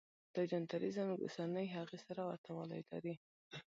دا جنتري زموږ اوسنۍ هغې سره ورته والی لري.